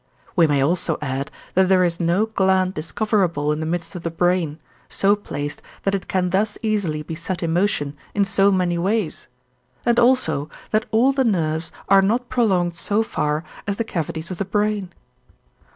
We may also add, that there is no gland discoverable in the midst of the brain, so placed that it can thus easily be set in motion in so many ways, and also that all the nerves are not prolonged so far as the cavities of the brain.